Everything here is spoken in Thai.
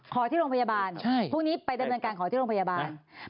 ที่โรงพยาบาลพรุ่งนี้ไปดำเนินการขอที่โรงพยาบาล